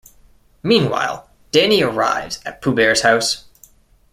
Meanwhile, Danny arrives at Pooh Bear's house.